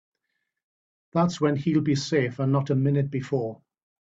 That's when he'll be safe and not a minute before.